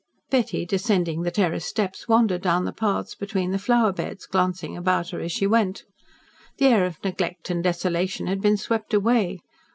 Betty, descending the terrace steps, wandered down the paths between the flower beds, glancing about her as she went. The air of neglect and desolation had been swept away.